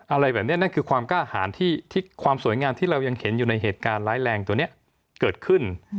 อะไรแบบนี้นั่นคือความกล้าหารที่ความสวยงามที่เรายังเห็นอยู่ในเหตุการณ์ร้ายแรงตัวนี้เกิดขึ้น